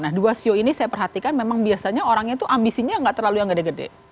nah dua sio ini saya perhatikan memang biasanya orangnya itu ambisinya nggak terlalu yang gede gede